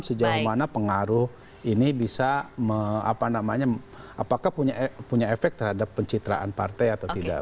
sejauh mana pengaruh ini bisa apakah punya efek terhadap pencitraan partai atau tidak